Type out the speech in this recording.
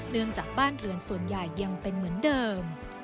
เนื่องจากบ้านเรือนส่วนใหญ่ยังเป็นเหมือนเดิม